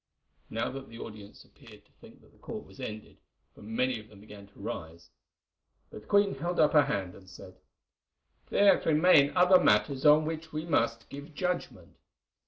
Now the audience appeared to think that the court was ended, for many of them began to rise; but the queen held up her hand and said: "There remain other matters on which we must give judgment.